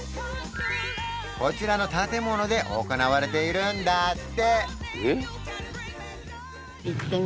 こちらの建物で行われているんだって